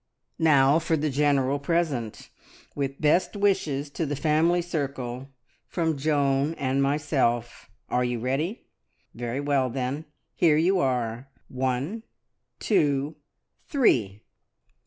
"Now for the general present! With best wishes to the family circle, from Joan and myself. Are you ready? Very well, then, here you are! One, two, three!"